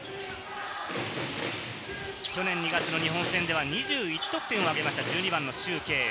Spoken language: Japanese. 去年２月の日本戦では２１得点を挙げましたリュウ・ケイウ。